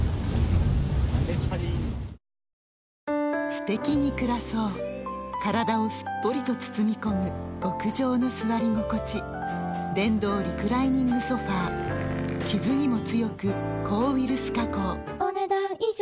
すてきに暮らそう体をすっぽりと包み込む極上の座り心地電動リクライニングソファ傷にも強く抗ウイルス加工お、ねだん以上。